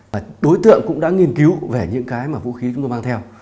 và đối tượng cũng đã nghiên cứu về những cái mà vũ khí chúng tôi mang theo